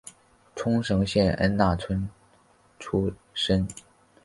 冲绳县恩纳村出身。